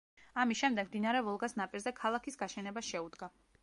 ამის შემდეგ მდინარე ვოლგას ნაპირზე ქალაქის გაშენებას შეუდგა.